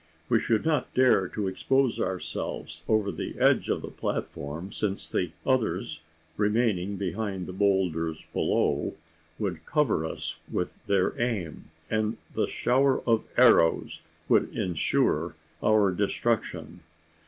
We should not dare to expose ourselves over the edge of the platform: since the others, remaining behind the boulders below, would cover us with their aim; and the shower of arrows would insure our destruction.